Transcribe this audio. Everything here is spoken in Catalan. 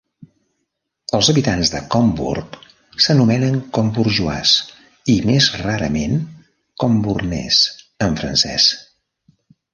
Els habitants de Combourg s'anomenen "combourgeois" i, més rarament "combournais", en francès.